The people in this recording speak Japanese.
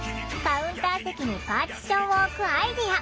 カウンター席にパーティションを置くアイデア。